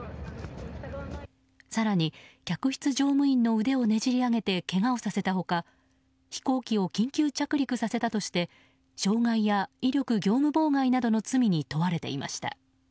さらに、客室乗務員の腕をねじり上げて、けがをさせた他飛行機を緊急着陸させたとして傷害や威力業務妨害などの罪に問われていました。